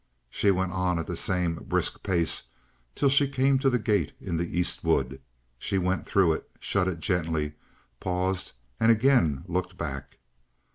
She went on at the same brisk pace till she came to the gate in the East wood. She went through it, shut it gently, paused, and again looked back.